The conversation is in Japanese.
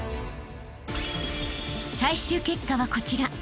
［最終結果はこちら］